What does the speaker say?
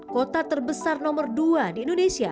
kota terbesar nomor dua di indonesia